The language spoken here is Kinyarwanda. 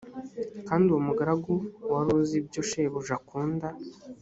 kandi uwo mugaragu wari uzi ibyo shebuja akunda